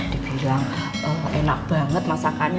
dibilang enak banget masakannya